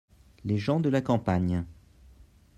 Les gens de la campagne.